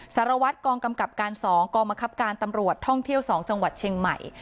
สารวัตรกองกำกับการ๒กองบังคับการตำรวจท่องเที่ยว๒จังหวัดเชียงใหม่